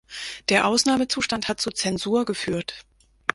Der Ausnahmezustand hat zu Zensur geführt.